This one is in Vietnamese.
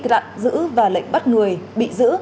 đã bắt giữ và lệnh bắt người bị giữ